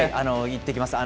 行ってきます。